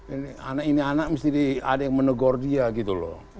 ini anak ini anak mesti ada yang menegur dia gitu loh